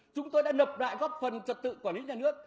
chúng tôi đã nộp lại góp phần trật tự quản lý nhà nước